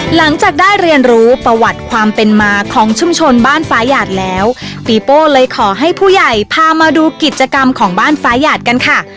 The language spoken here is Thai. หลังจากได้เรียนรู้ประวัติความเป็นมาของชุมชนบ้านฟ้าหยาดแล้วปีโป้เลยขอให้ผู้ใหญ่พามาดูกิจกรรมของบ้านฟ้าหยาดกันค่ะ